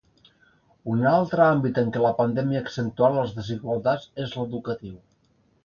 Un altre àmbit en què la pandèmia ha accentuat les desigualtats és l’educatiu.